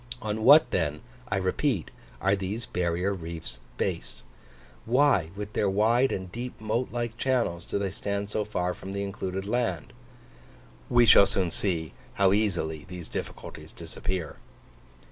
On what then, I repeat, are these barrier reefs based? Why, with their wide and deep moat like channels, do they stand so far from the included land? We shall soon see how easily these difficulties disappear.